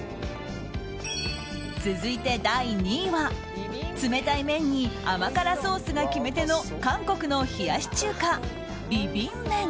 続いて、第２位は冷たい麺に甘辛ソースが決め手の韓国の冷やし中華、ビビン麺。